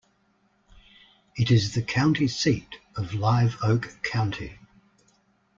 It is the county seat of Live Oak County.